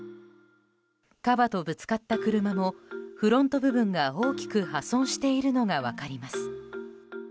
カバとぶつかった車もフロント部分が大きく破損しているのが分かります。